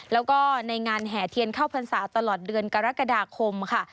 แล้วก็ในงานแห่เทียนเข้าพรรษาตลอดเดือนกรกฎาคมค่ะ